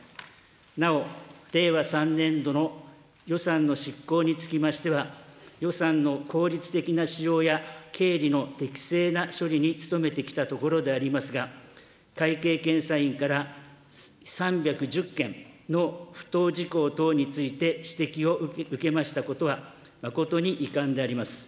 なお令和３年度の予算の執行につきましては、予算の効率的な仕様や経理の適正な処理に努めてきたところでありますが、会計検査院から３１０件の不当事項等について指摘を受けましたことは誠に遺憾であります。